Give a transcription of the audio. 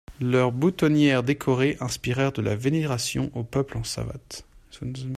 Leurs boutonnières décorées inspirèrent de la vénération au peuple en savates.